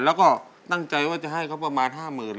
แล้วก็ตั้งใจว่าจะให้เขาประมาณ๕หมื่นบาท